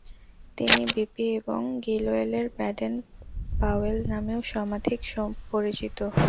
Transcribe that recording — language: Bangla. তিনি বি.পি. এবং গিলওয়েলের ব্যাডেন পাওয়েল নামেও সমাধিক পরিচিত।